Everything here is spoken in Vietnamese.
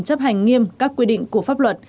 chấp hành nghiêm các quy định của pháp luật